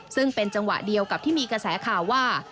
ซึ่งเป็นจังหวะเดียวกับที่มีกระแสข่าวว่า